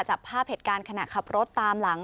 จับภาพเหตุการณ์ขณะขับรถตามหลัง